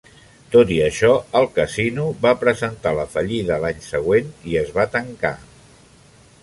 Tot i això, el casino va presentar la fallida l'any següent i es va tancar.